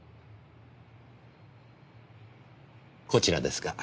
こちらですが。